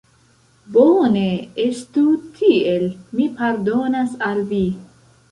Bone, estu tiel, mi pardonas al vi.